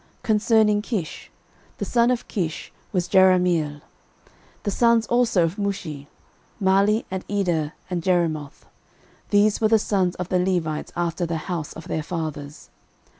13:024:029 Concerning Kish: the son of Kish was Jerahmeel. 13:024:030 The sons also of Mushi; Mahli, and Eder, and Jerimoth. These were the sons of the Levites after the house of their fathers.